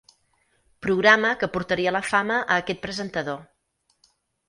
Programa que portaria a la fama a aquest presentador.